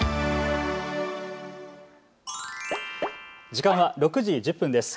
時間は６時１０分です。